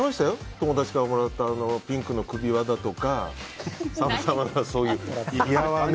友達からもらったピンクの首輪だとかさまざまな、そういうのはね。